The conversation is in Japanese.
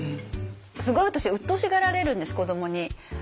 すごい私うっとうしがられるんです子どもに。